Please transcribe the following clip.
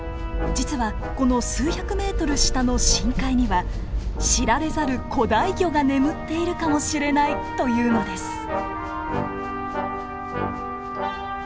実はこの数百ｍ下の深海には知られざる古代魚が眠っているかもしれないというのです。